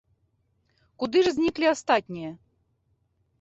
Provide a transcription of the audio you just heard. Куды ж зніклі астатнія?